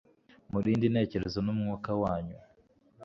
Murinde intekerezo numwuka wanyu